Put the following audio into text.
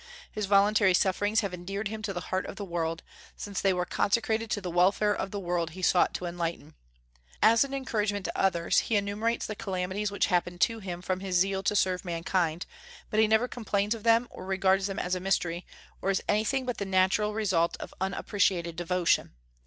His voluntary sufferings have endeared him to the heart of the world, since they were consecrated to the welfare of the world he sought to enlighten. As an encouragement to others, he enumerates the calamities which happened to him from his zeal to serve mankind, but he never complains of them or regards them as a mystery, or as anything but the natural result of unappreciated devotion.